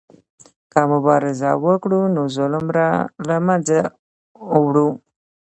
که مبارزه وکړو نو ظلم له منځه وړو.